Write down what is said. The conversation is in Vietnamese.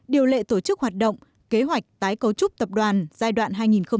điều lệ tổ chức hoạt động kế hoạch tái cấu trúc tập đoàn giai đoạn hai nghìn một mươi sáu hai nghìn hai mươi